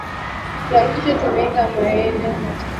Tuhakikishe tumeeka maeno matano